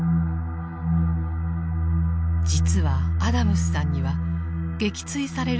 実はアダムスさんには撃墜される